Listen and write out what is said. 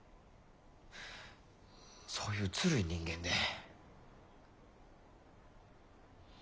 そういうずるい人間で。